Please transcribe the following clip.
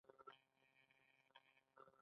بندونه د اوبو مخه نیسي